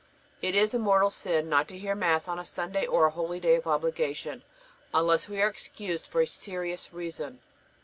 It is a mortal sin not to hear Mass on a Sunday or a holyday of obligation, unless we are excused for a serious reason.